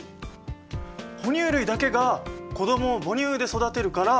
哺乳類だけが子どもを母乳で育てるから。